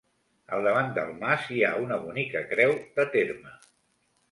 Al davant del mas hi ha una bonica creu de terme.